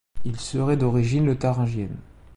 Il serait d'origine lotharingienne.